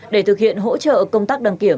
để thực hiện hỗ trợ công tác đăng kiểm